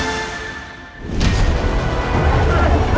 kami sudah belajar menggantikan anda untuk mengetahui